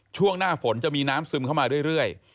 ช่วงหน้าฝนจะมีน้ำซึมเข้ามาเรื่อย